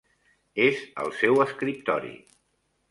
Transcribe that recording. És al seu escriptori.